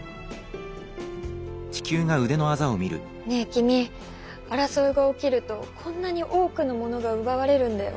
ねえ君争いが起きるとこんなに多くのものが奪われるんだよ。